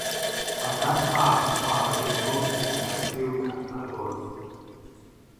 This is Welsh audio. Mae'r ferch fach yn chwarae gyda gwrthrych a phennau lliwgar ar y bwrdd.